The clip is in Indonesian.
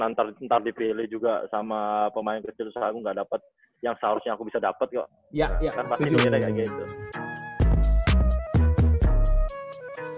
ntar dipilih juga sama pemain kecil kecil yang gak dapet yang seharusnya aku bisa dapet kok